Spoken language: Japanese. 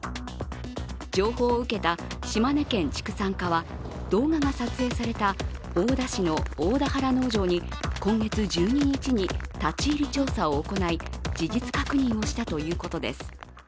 情報を受けた島根県畜産課は動画が撮影された大田原農場に今月１２日に立入調査を行い事実確認をしたということです。